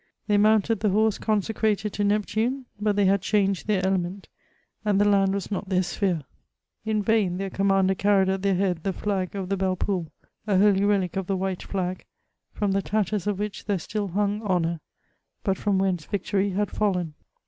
They mounted the horse consecrated to Neptune, but they had changed their element, and the land was not their sphere. In yain their commander carried at their head the flag of the BeUe Poule — a holy relic of the white flag, from the tatters of whicfa there still hung honour, but from whence victory had fallen.